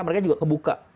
mereka juga kebuka